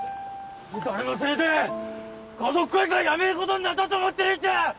誰のせいで華族会館辞めることになったと思ってるんじゃ！